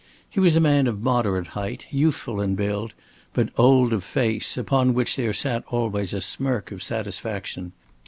He was a man of moderate height, youthful in build, but old of face, upon which there sat always a smirk of satisfaction.